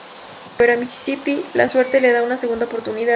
Pero a Mississippi, la suerte le da una segunda oportunidad.